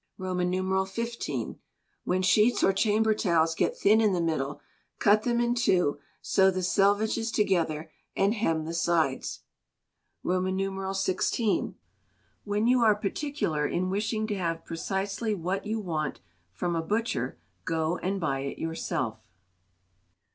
xv. When sheets or chamber towels get thin in the middle, cut them in two, sew the selvedges together, and hem the sides. xvi. When you are particular in wishing to have precisely what you want from a butcher, go and buy it yourself.